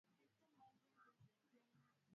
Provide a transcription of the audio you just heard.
kuwa yeye ni mgonjwa ama wakati mwingine amekufa